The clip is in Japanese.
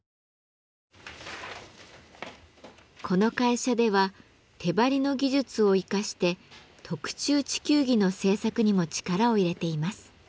この会社では手貼りの技術を生かして特注地球儀の制作にも力を入れています。